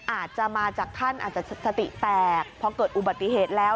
อาจจะมาจากท่านอาจจะสติแตกพอเกิดอุบัติเหตุแล้ว